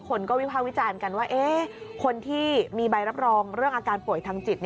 คนก็วิภาควิจารณ์กันว่าคนที่มีใบรับรองเรื่องอาการป่วยทางจิต